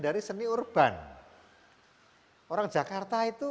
agar tidak depok saat terjadi tautan